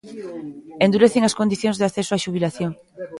Endurecen as condicións de acceso á xubilación.